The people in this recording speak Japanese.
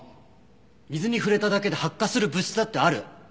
水に触れただけで発火する物質だってある。